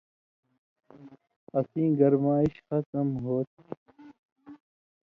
اسیں گرمائش ختم ہوتھی۔